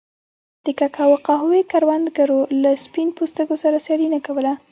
د کوکو او قهوې کروندګرو له سپین پوستو سره سیالي نه کوله.